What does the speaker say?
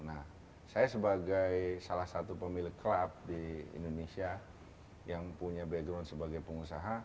nah saya sebagai salah satu pemilik klub di indonesia yang punya background sebagai pengusaha